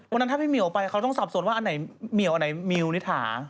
วันนั้นถ้าพี่เหมียวไปเขาต้องสับสนว่าอันไหนเหมียวอันไหนมิวนิถา